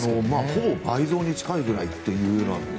ほぼ倍増に近いぐらいっていうような。